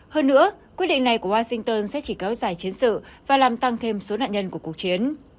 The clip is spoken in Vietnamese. hơn nữa quyết định này của washington sẽ chỉ kéo dài chiến sự và làm tăng thêm số nạn nhân của cuộc chiến